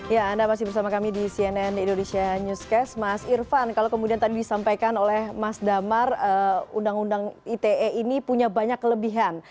ya anda masih bersama kami di cnn indonesia newscast mas irfan kalau kemudian tadi disampaikan oleh mas damar undang undang ite ini punya banyak kelebihan